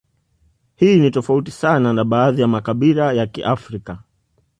Hii ni tofauti sana na baadhi ya makabila ya Kiafrika